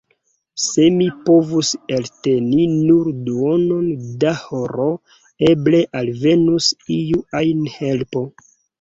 Se mi povus elteni nur duonon da horo, eble alvenus iu ajn helpo!